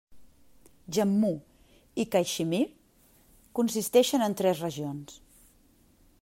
Jammu i Caixmir consisteixen en tres regions: